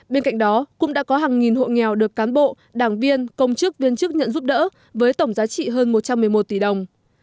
bên cạnh đó cũng đã có hàng nghìn hộ nghèo được cán bộ đảng viên công chức viên chức nhận giúp đỡ với tổng giá trị hơn một trăm một mươi một tỷ đồng